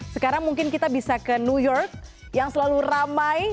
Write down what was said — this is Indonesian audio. sekarang mungkin kita bisa ke new york yang selalu ramai